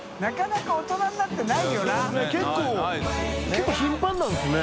結構頻繁なんですね。